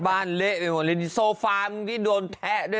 บ้านเละไปหมดเลยโซฟามันก็ได้โดนแพะด้วย